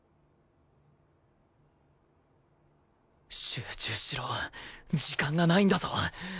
集中しろ時間がないんだぞ